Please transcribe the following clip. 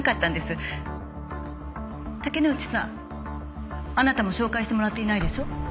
竹之内さんあなたも紹介してもらっていないでしょ？